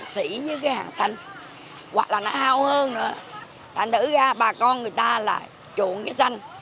thành thử ra bà con người ta lại chuộng cái xanh